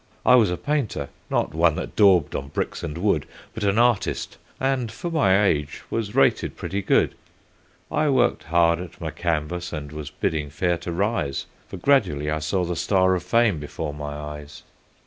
"I was a painter not one that daubed on bricks and wood, But an artist, and for my age, was rated pretty good. I worked hard at my canvas, and was bidding fair to rise, For gradually I saw the star of fame before my eyes.